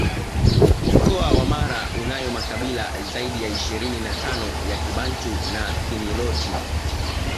Mkoa wa Mara unayo makabila zaidi ya ishirini na tano ya Kibantu na Kiniloti